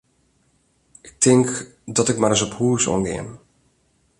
Ik tink dat ik mar ris op hús oan gean.